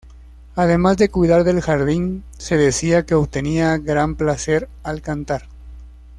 Además de cuidar del jardín, se decía que obtenían gran placer al cantar.